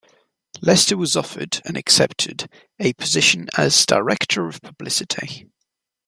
Lester was offered, and accepted, a position as Director of Publicity.